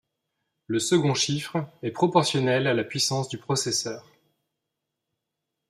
Le second chiffre est proportionnel à la puissance du processeur.